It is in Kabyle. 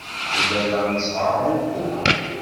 Ugadeɣ nesɛa ugur.